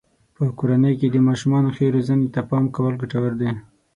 په کورنۍ کې د ماشومانو ښې روزنې ته پام کول ګټور دی.